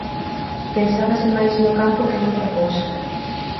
Pensábase máis no campo que noutra cousa.